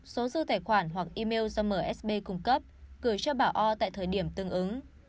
số dư tài khoản hoặc email do msb cung cấp gửi cho bảo o tại thời điểm tương ứng